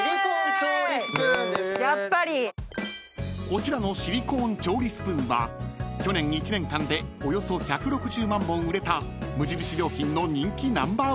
［こちらのシリコーン調理スプーンは去年１年間でおよそ１６０万本売れた無印良品の人気ナンバーワンツール］